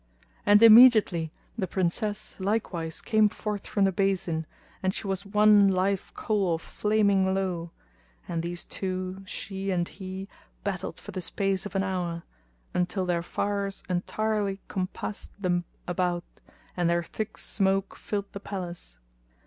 And immediately the Princess likewise came forth from the basin and she was one live coal of flaming lowe; and these two, she and he, battled for the space of an hour, until their fires entirely compassed them about and their thick smoke filled the palace.